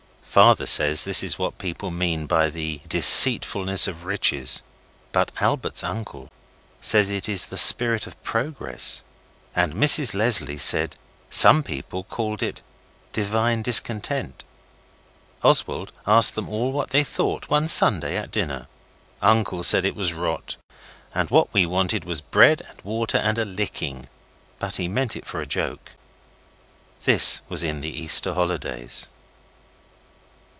Father says this is what people mean by the deceitfulness of riches; but Albert's uncle says it is the spirit of progress, and Mrs Leslie said some people called it 'divine discontent'. Oswald asked them all what they thought one Sunday at dinner. Uncle said it was rot, and what we wanted was bread and water and a licking; but he meant it for a joke. This was in the Easter holidays.